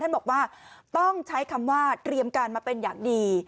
บอกว่าต้องใช้คำว่าเตรียมการมาเป็นอย่างดี